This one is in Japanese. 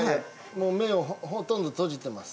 目をほとんど閉じてます。